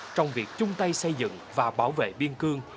trong việc chung tay xây dựng và bảo vệ biên cương